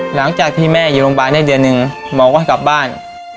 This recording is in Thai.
หลังจากที่แม่อยู่โรงพยาบาลได้เดือนหนึ่งหมอก็กลับบ้าน